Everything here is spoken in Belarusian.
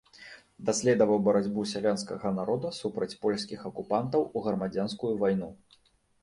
Даследаваў барацьбу сялянскага народа супраць польскіх акупантаў у грамадзянскую вайну.